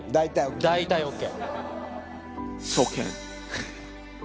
大体ＯＫ。